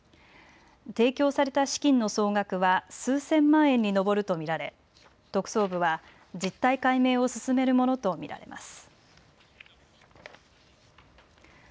提供された資金の総額は数千万円に上ると見られ特捜部は実態解明を進めるものと見られます。